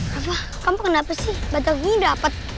rafa kamu kenapa sih batu akungnya dapat